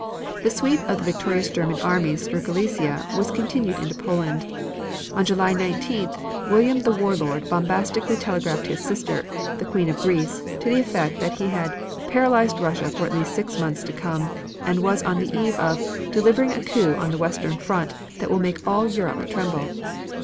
The sweep of the victorious German armies through Galicia was continued into Poland. On July 19th William the War Lord bombastically telegraphed his sister, the Queen of Greece, to the effect that he had "paralyzed Russia for at least six months to come" and was on the eve of "delivering a coup on the western front that will make all Europe tremble."